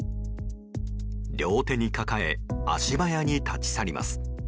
両手に抱え足早に立ち去ります。